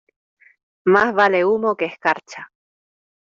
Más vale humo que escarcha.